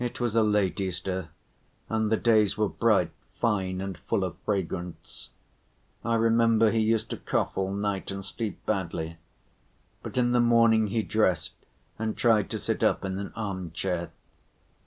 It was a late Easter, and the days were bright, fine, and full of fragrance. I remember he used to cough all night and sleep badly, but in the morning he dressed and tried to sit up in an arm‐chair.